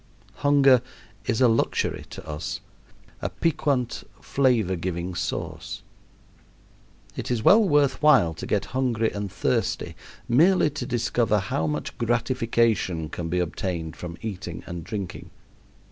Hunger is a luxury to us, a piquant, flavor giving sauce. It is well worth while to get hungry and thirsty merely to discover how much gratification can be obtained from eating and drinking.